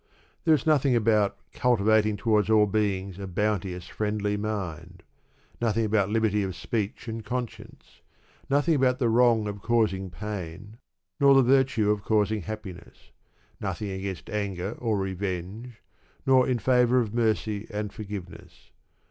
There is nothing about "cultivating towards all beings a bounteous friendly mind," nothing about liberty of speech and conscience, nothing about the wrong of causing pain, nor the virtue of causing happiness; nothing against anger or revenge, nor in favour of mercy and forgiveness.